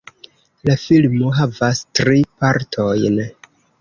La filmo havas tri partojn.